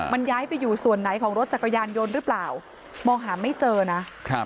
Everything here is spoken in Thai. มันย้ายไปอยู่ส่วนไหนของรถจักรยานยนต์หรือเปล่ามองหาไม่เจอนะครับ